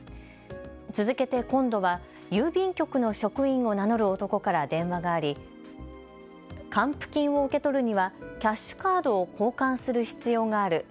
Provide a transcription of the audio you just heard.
続けて今度は郵便局の職員を名乗る男から電話があり還付金を受け取るにはキャッシュカードを交換する必要がある。